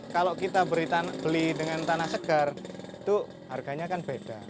kalau kita beli dengan tanah segar itu harganya kan beda